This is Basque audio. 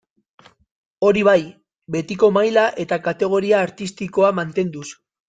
Hori bai, betiko maila eta kategoria artistikoa mantenduz.